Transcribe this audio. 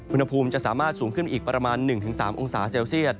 อุณหภูมิจะสามารถสูงขึ้นไปอีกประมาณ๑๓องศาเซลเซียต